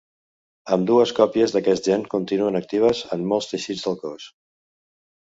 Ambdues còpies d'aquest gen continuen actives en molts teixits del cos.